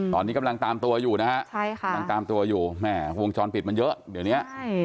ตอนนี้กำลังตามตัวอยู่นะครับตามตัวอยู่วงช้อนปิดมันเยอะเดี๋ยวนี้